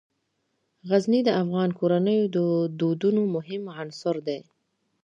غزني د افغان کورنیو د دودونو مهم عنصر دی.